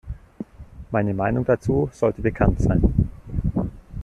Meine Meinung dazu sollte bekannt sein.